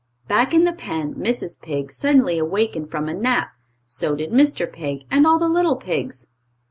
Back in the pen Mrs. Pig suddenly awakened from a nap. So did Mr. Pig, and all the little pigs.